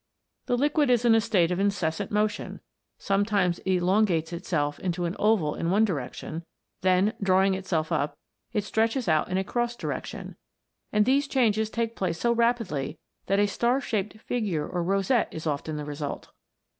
The liquid is in a state of incessant motion : sometimes it elongates itself into an oval in one direction ; then, drawing itself up, it stretches out in a cross direc tion, and these changes take place so rapidly that a star shaped figure or rosette is often the result.